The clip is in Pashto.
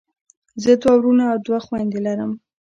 زه دوه وروڼه او دوه خویندی لرم.